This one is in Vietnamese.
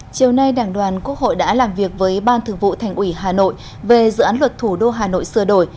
chiều nay đảng đoàn quốc hội đã làm việc với ban thường vụ thành ủy hà nội về dự án luật thủ đô hà nội sửa đổi